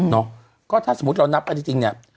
เนาะก็ถ้าสมมุติเรานับกันจริงเนี่ย